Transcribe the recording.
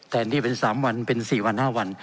แต่อันนี้เป็นสามวันเป็นสี่วันห้าวัน